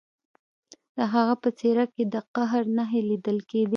د هغه په څیره کې د قهر نښې لیدل کیدې